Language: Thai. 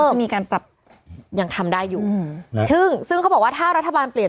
จะมีการปรับยังทำได้อยู่ซึ่งซึ่งเขาบอกว่าถ้ารัฐบาลเปลี่ยน